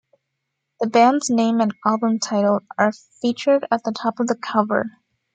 The band's name and album title are featured at the top of the cover.